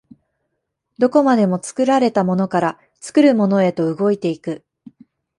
どこまでも作られたものから作るものへと動いて行く。